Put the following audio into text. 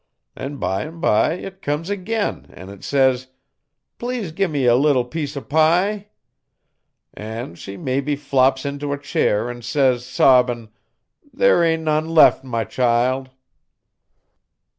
'An' bime bye it comes agin' an' it says: "Please gi' me a little piece O' pie." 'An' she mebbe flops into a chair an' says, sobbin', "There ain' none left, my child."